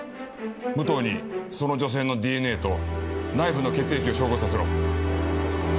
武藤にその女性のＤＮＡとナイフの血液を照合させろ。